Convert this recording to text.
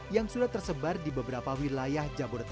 yang sudah tersebar di beberapa wilayah jabodetabe